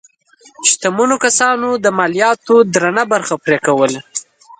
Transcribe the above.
شتمنو کسانو د مالیاتو درنه برخه پرې کوله.